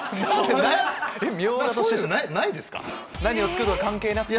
何を作るとか関係なくても？